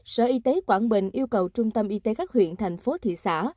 sở y tế quảng bình yêu cầu trung tâm y tế các huyện thành phố thị xã